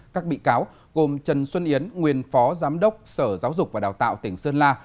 các bị cáo gồm trần xuân yến nguyên phó giám đốc sở giáo dục và đào tạo tỉnh sơn la